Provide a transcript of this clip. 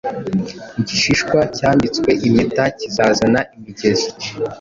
Igishishwa cyambitswe impeta kizazana imigezi